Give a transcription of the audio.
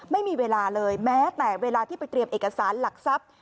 ไม่มีเวลาเลยแม้แต่เวลาที่ไปเตรียมเอกสารหลักทรัพย์